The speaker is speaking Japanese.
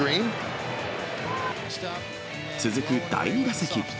続く第２打席。